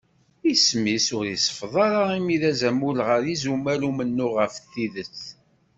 Isem-is ur iseffeḍ ara imi d azamul gar yizumal n umennuɣ ɣef tidet.